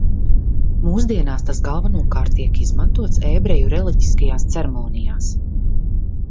Mūsdienās tas galvenokārt tiek izmantots ebreju reliģiskajās ceremonijās.